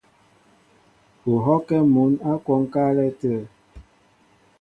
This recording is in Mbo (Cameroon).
U hɔ́kɛ́ mǔn ǎ kwónkálɛ́ tə̂.